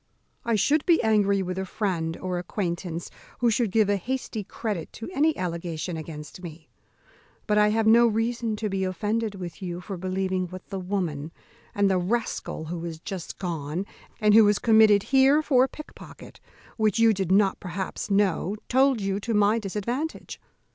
I should be angry with a friend or acquaintance who should give a hasty credit to any allegation against me; but I have no reason to be offended with you for believing what the woman, and the rascal who is just gone, and who is committed here for a pickpocket, which you did not perhaps know, told you to my disadvantage.